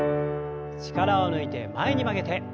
力を抜いて前に曲げて。